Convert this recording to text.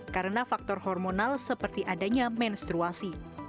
karena faktor hormonal seperti adanya menstruasi